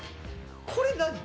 これ何？